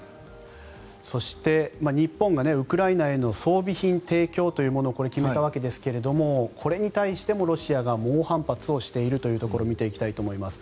そして、日本がウクライナへの装備品提供というのを決めたわけですけれどもこれに対してもロシアが猛反発をしているというところ見ていきたいと思います。